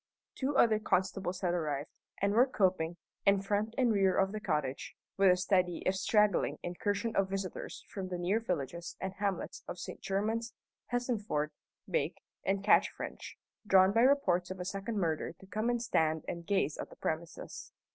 Two other constables had arrived, and were coping, in front and rear of the cottage, with a steady if straggling incursion of visitors from the near villages and hamlets of St. Germans, Hessenford, Bake, and Catchfrench, drawn by reports of a second murder to come and stand and gaze at the premises.